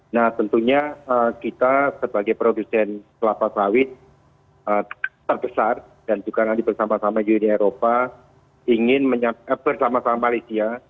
nah tentunya kita sebagai produsen kelapa sawit terbesar dan juga nanti bersama sama di uni eropa ingin bersama sama malaysia